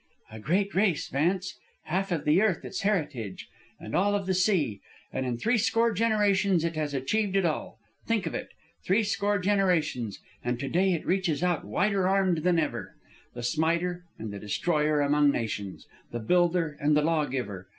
"A great race, Vance. Half of the earth its heritage, and all of the sea! And in threescore generations it has achieved it all think of it! threescore generations! and to day it reaches out wider armed than ever. The smiter and the destroyer among nations! the builder and the law giver!